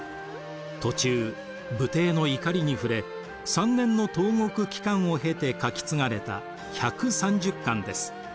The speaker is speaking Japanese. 途中武帝の怒りに触れ３年の投獄期間を経て書き継がれた１３０巻です。